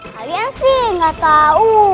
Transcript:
kalian sih gak tau